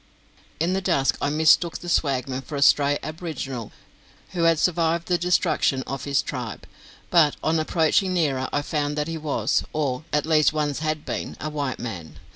In the dusk I mistook the swagman for a stray aboriginal who had survived the destruction of his tribe, but on approaching nearer, I found that he was, or at least once had been, a white man.